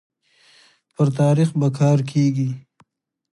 پر تاريخ به کار کيږي